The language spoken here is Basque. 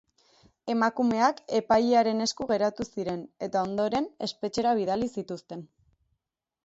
Emakumeak epailearen esku geratu ziren, eta ondoren, espetxera bidali zituzten.